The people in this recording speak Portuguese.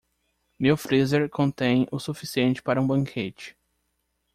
Meu freezer contém o suficiente para um banquete.